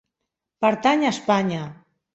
Pertany a Espanya.